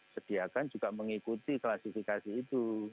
sediakan juga mengikuti klasifikasi itu